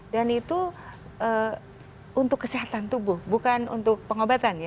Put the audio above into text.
dan itu untuk kesehatan tubuh bukan untuk pengobatan ya